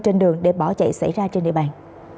trên đường để bỏ chạy xảy ra trên địa bàn